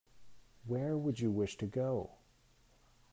Where would you wish to go?